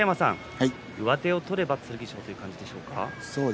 上手を取れば剣翔という感じですかね。